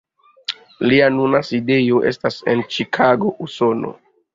Lia nuna sidejo estas en Ĉikago, Usono.